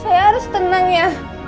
saya harus tenang ya